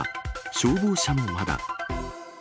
消防車もまだ。